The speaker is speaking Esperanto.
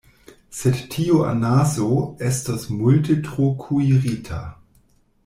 Sed tiu anaso estos multe tro kuirita!